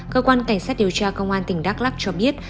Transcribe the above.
cơ quan cảnh sát điều tra công an tỉnh đắk lắc cho biết